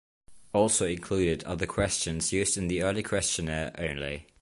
Also included are the questions used in the early questionnaire only.